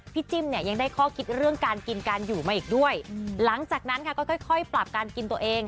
จิ้มเนี่ยยังได้ข้อคิดเรื่องการกินการอยู่มาอีกด้วยหลังจากนั้นค่ะก็ค่อยปรับการกินตัวเอง